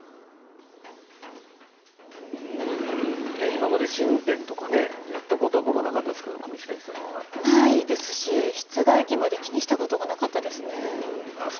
今まで試運転とかやったことなかったですけれど上白石さんは？ないですし室外機まで気にしたことはなかったです。